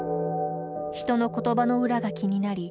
人の言葉の裏が気になり